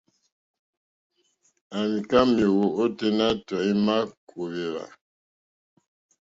À mìká méèwó óténá tɔ̀ímá kòwèwà.